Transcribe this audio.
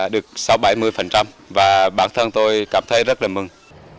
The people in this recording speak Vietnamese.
được sáu mươi bảy mươi và bản thân tôi cảm thấy rất là mừng